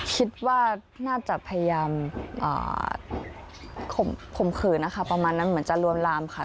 คิดว่าน่าจะพยายามข่มขืนนะคะประมาณนั้นเหมือนจะลวนลามค่ะ